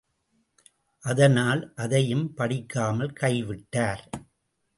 அதனால், அதையும் படிக்காமல் கைவிட்டார்.